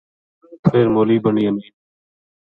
فر مولوی بنیامین